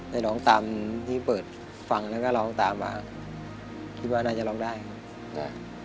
ให้ร้องตามที่เปิดฟังแล้วก็ร้องตามมาคิดว่าน่าจะร้องได้ครับนะ